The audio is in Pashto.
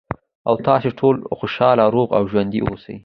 ، او تاسې ټول خوشاله، روغ او ژوندي اوسئ.